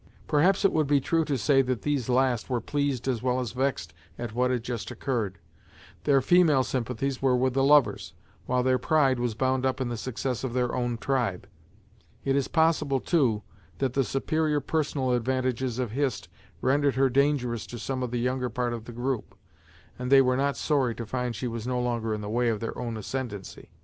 Perhaps it would be true to say that these last were pleased as well as vexed at what had just occurred. Their female sympathies were with the lovers, while their pride was bound up in the success of their own tribe. It is possible, too, that the superior personal advantages of Hist rendered her dangerous to some of the younger part of the group, and they were not sorry to find she was no longer in the way of their own ascendency.